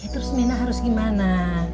terus minah harus gimana